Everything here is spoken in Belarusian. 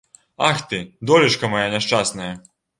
Ах ты, долечка мая няшчасная!